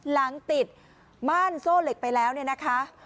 หลังติดม่านโซ่เหล็กไปแล้วเนี่ยนะคะ